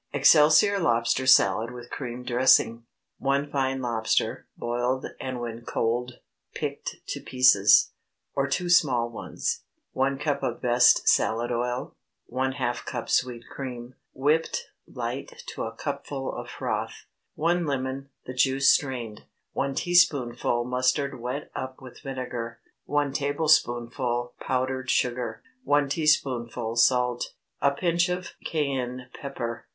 EXCELSIOR LOBSTER SALAD WITH CREAM DRESSING. ✠ 1 fine lobster, boiled and when cold picked to pieces, or two small ones. 1 cup of best salad oil. ½ cup sweet cream, whipped light to a cupful of froth. 1 lemon—the juice strained. 1 teaspoonful mustard wet up with vinegar. 1 tablespoonful powdered sugar. 1 teaspoonful salt. A pinch of cayenne pepper.